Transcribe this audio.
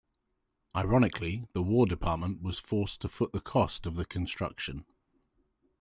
Ironically, the War Department was forced to foot the cost of the construction.